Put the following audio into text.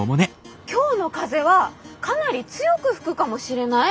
今日の風はかなり強く吹くかもしれない？